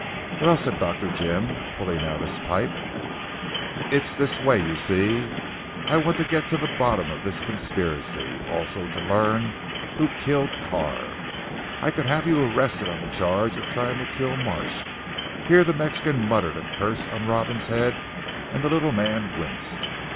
"Well," said Dr. Jim pulling out his pipe, "its this way you see. I want to get to the bottom of this conspiracy. Also to learn who killed Carr. I could have you arrested on a charge of trying to kill Marsh," here the Mexican muttered a curse on Robin's head and the little man winced.